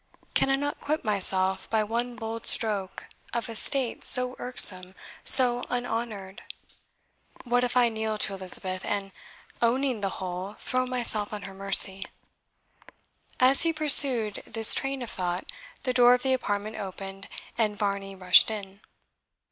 Can I not quit myself, by one bold stroke, of a state so irksome, so unhonoured? What if I kneel to Elizabeth, and, owning the whole, throw myself on her mercy?" As he pursued this train of thought, the door of the apartment opened, and Varney rushed in.